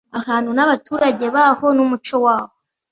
ahantu n’abaturage baho n’umuco waho